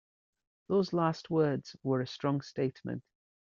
Those last words were a strong statement.